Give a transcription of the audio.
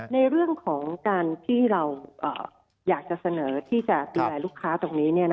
ในเรื่องของการที่เราอยากจะเสนอที่จะดูแลลูกค้าตรงนี้